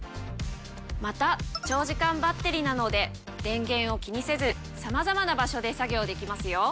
また長時間バッテリなので電源を気にせずさまざまな場所で作業できますよ。